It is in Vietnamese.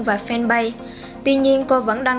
và fanpage tuy nhiên cô vẫn đăng